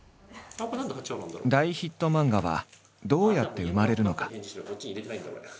大ヒット漫画はどうやって生まれるのか？